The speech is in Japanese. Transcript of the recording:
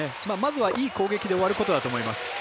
まずはいい攻撃で終わることだと思います。